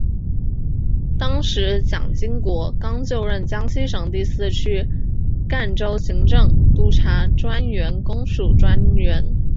当时蒋经国刚就任江西省第四区赣州行政督察专员公署专员。